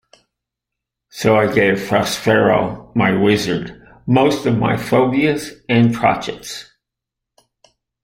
So I gave Prospero, my wizard, most of my phobias and crotchets.